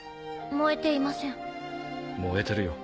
燃えていません